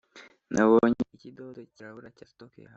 “nabonye ikidodo cyirabura cya stock yawe